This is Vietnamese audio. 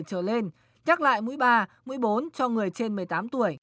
trở lên chắc lại mũi ba mũi bốn cho người trên một mươi tám tuổi